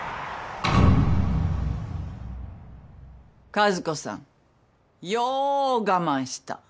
和子さんよう我慢した。